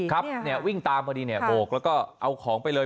ครับเนี่ยวิ่งตามพอดีเนี่ยโบกแล้วก็เอาของไปเลย